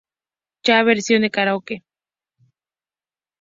Cha versión de Karaoke